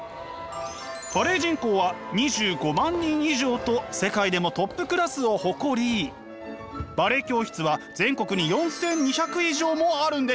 バレエ人口は２５万人以上と世界でもトップクラスを誇りバレエ教室は全国に４，２００以上もあるんです。